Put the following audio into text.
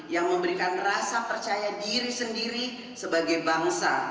yang memberikan rasa percaya diri sendiri sebagai bangsa